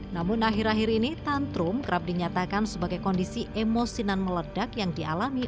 namun akhir akhir ini tantrum kerap dinyatakan sebagai kondisi emosian meledak yang dialami